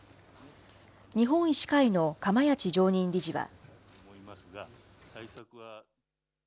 日本医師会の釜萢常任理事は。